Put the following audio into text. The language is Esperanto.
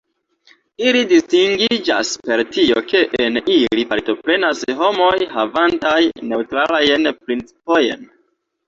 Ili distingiĝas per tio, ke en ili partoprenas homoj, havantaj neŭtralajn principojn.